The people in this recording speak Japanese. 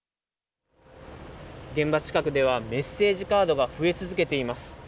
現場近くでは、メッセージカードが増え続けています。